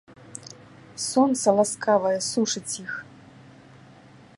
Сонца ласкавае сушыць іх.